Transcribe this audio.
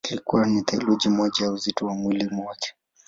Ilikuwa ni theluthi moja ya uzito wa mwili wake.